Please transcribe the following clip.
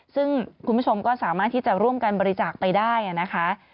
ซึ่งคุณผู้ชมก็สามารถที่จะร่วมกันบริจาคไปได้นะคะ